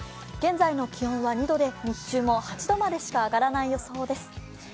現在の気温は２度で、日中も８度までしか上がらない予想です。